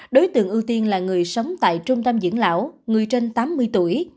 đối tượng ưu tiên là người sống tại trung tâm dưỡng lão người trên tám mươi tuổi